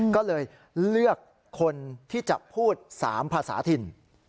ก็เลยเลือกคนที่จะพูด๓ภาษาถิ่น